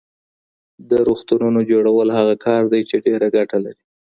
د روغتونونو جوړول هغه کار دی چی ډېره ګټه لري.